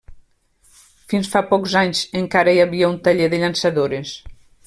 Fins fa pocs anys encara hi havia un taller de llançadores.